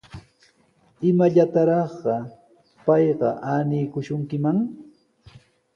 ¿Imallataraqa payqa awniykishunkiman?